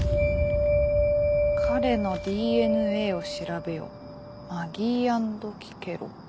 「彼のＤＮＡを調ベヨマギー＆キケロ」？